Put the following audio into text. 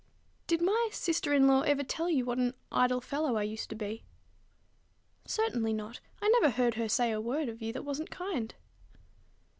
"Did my sister in law ever tell you what an idle fellow I used to be?" "Certainly not. I never heard her say a word of you that wasn't kind."